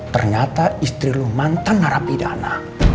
ternyata istri lu mantan narapidana